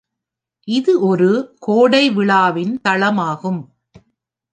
இது ஒரு கோடை விழாவின் தளமாகும்.